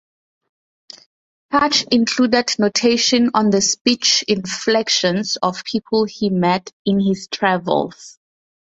Partch included notation on the speech inflections of people he met in his travels.